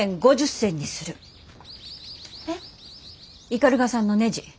斑鳩さんのねじ。